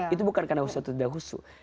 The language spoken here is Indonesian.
itu bukan karena husu atau tidak husu